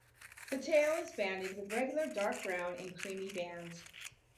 The tail is banded with regular dark brown and creamy bands.